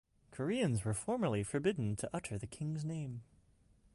Koreans were formerly forbidden to utter the king's name.